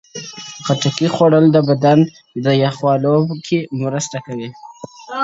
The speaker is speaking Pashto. لا د پلار کیسه توده وي چي زوی خپل کوي نکلونه -